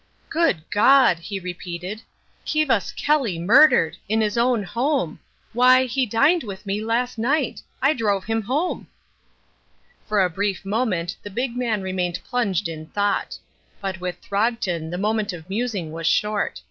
"Good God!" he repeated, "Kivas Kelly murdered! In his own home! Why, he dined with me last night! I drove him home!" For a brief moment the big man remained plunged in thought. But with Throgton the moment of musing was short.